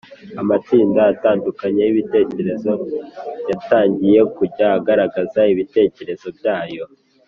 amatsinda atandukanye y’ibitekerezo yatangiye kujya agaragaza ibitekerezo byayo